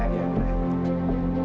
eh kak diandra